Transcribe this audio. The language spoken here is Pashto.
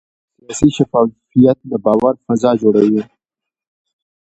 سیاسي شفافیت د باور فضا جوړوي